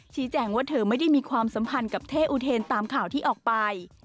แจ้งว่าเธอไม่ได้มีความสัมพันธ์กับเท่อุเทนตามข่าวที่ออกไป